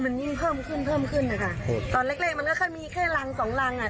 มันยิ่งเพิ่มขึ้นเพิ่มขึ้นนะคะตอนแรกแรกมันก็ค่อยมีแค่รังสองรังอ่ะ